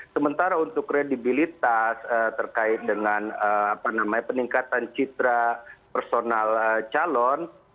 sementara untuk kredibilitas terkait dengan peningkatan citra personal calon